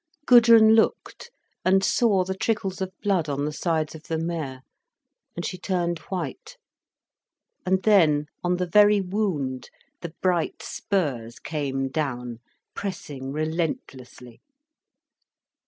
Gudrun looked and saw the trickles of blood on the sides of the mare, and she turned white. And then on the very wound the bright spurs came down, pressing relentlessly.